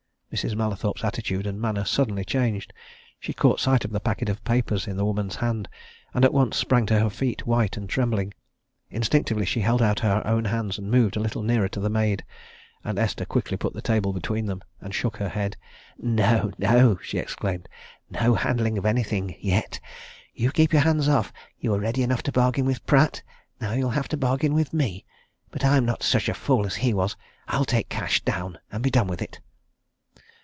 Mrs. Mallathorpe's attitude and manner suddenly changed. She caught sight of the packet of papers in the woman's hand, and at once sprang to her feet, white and trembling. Instinctively she held out her own hands and moved a little nearer to the maid. And Esther quickly put the table between them, and shook her head. "No no!" she exclaimed. "No handling of anything yet! You keep your hands off! You were ready enough to bargain with Pratt now you'll have to bargain with me. But I'm not such a fool as he was I'll take cash down, and be done with it."